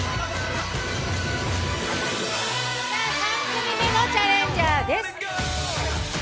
３組目のチャレンジャーです